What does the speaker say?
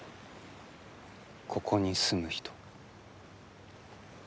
ここに住む人。